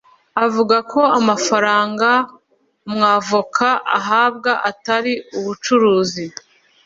avuga ko amafaranga umwavoka ahabwa atari ubucuruzi